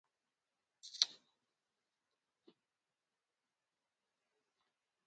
Me na nküt mfendap po ndû ne mbùm-ùe me njù pinsié na.